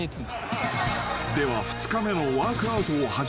［では２日目のワークアウトを始めよう］